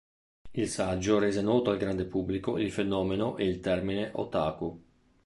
Il saggio rese noto al grande pubblico il fenomeno e il termine otaku.